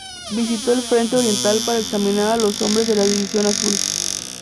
Visitó el Frente Oriental para examinar a los hombre de la División Azul.